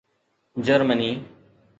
Germany